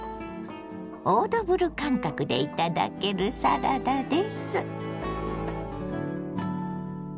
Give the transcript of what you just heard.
オードブル感覚で頂けるサラダです。